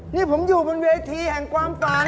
นี่ผมอยู่บนเวทีแห่งความฝัน